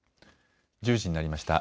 １０時になりました。